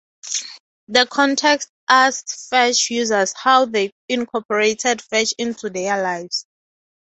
The contest asked Fetch users how they incorporated Fetch into their lives.